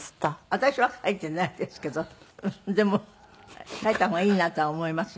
私は書いてないですけどでも書いた方がいいなとは思いますよ